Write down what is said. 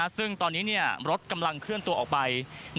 ซึ่งตอนนี้รถกำลังเคลื่อนตัวออกไป